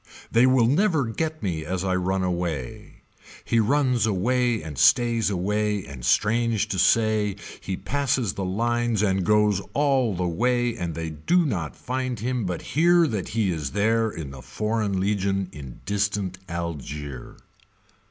They will never get me as I run away. He runs away and stays away and strange to say he passes the lines and goes all the way and they do not find him but hear that he is there in the foreign legion in distant Algier.